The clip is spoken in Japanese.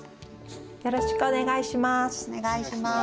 よろしくお願いします。